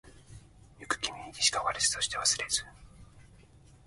よくみききしわかりそしてわすれず